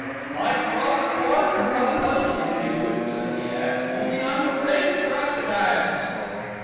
"I'd cross the water and rub noses with you," said the ass, "only I'm afraid of crocodiles."